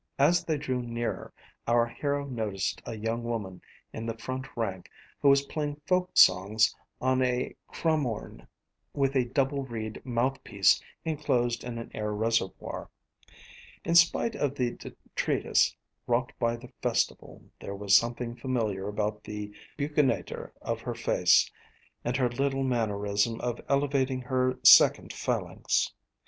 ] As they drew nearer, our hero noticed a young woman in the front rank who was playing folk songs on a cromorne with a double reed mouth piece enclosed in an air reservoir. In spite of the detritus wrought by the festival, there was something familiar about the buccinator of her face and her little mannerism of elevating her second phalanx.